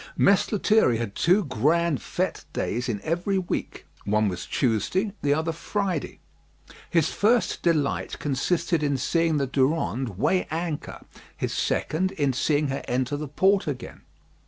Mess Lethierry had two grand fête days in every week; one was Tuesday, the other Friday. His first delight consisted in seeing the Durande weigh anchor; his second in seeing her enter the port again.